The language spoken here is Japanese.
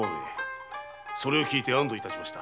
それを聞いて安堵いたしました。